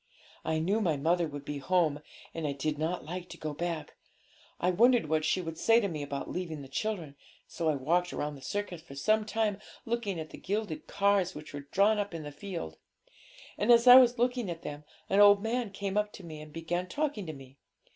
I knew my mother would be home, and I did not like to go back; I wondered what she would say to me about leaving the children. So I walked round the circus for some time, looking at the gilded cars, which were drawn up in the field. And as I was looking at them, an old man came up to me and began talking to me.